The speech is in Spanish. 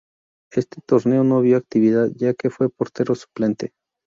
Ese torneo no vio actividad, ya que fue portero suplente.